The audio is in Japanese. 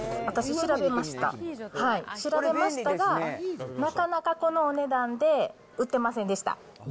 調べましたが、なかなかこのお値段で売ってませんでした。